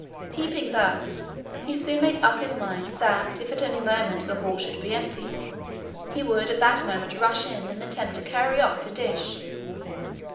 Peeping thus, he soon made UP his mind that if at any moment the hall should be empty, he would at that moment rush in and attempt to carry off a dish.